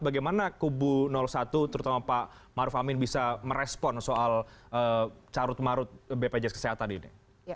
bagaimana kubu satu terutama pak maruf amin bisa merespon soal carut marut bpjs kesehatan ini